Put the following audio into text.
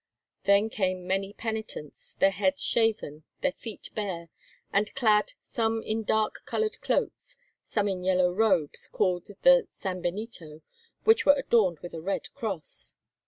Then came many penitents, their heads shaven, their feet bare, and clad, some in dark coloured cloaks, some in yellow robes, called the sanbenito, which were adorned with a red cross.